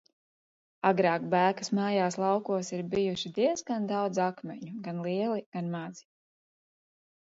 Agrāk Bēkas mājās laukos ir bijuši diezgan daudz akmeņu, gan lieli, gan mazi.